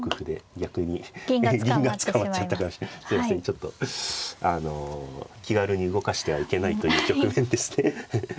ちょっとあの気軽に動かしてはいけないという局面ですね。